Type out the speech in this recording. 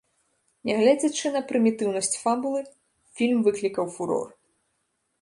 Нягледзячы на прымітыўнасць фабулы, фільм выклікаў фурор.